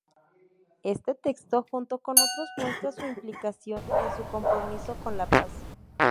Este texto, junto con otros muestra su implicación en su compromiso con la paz.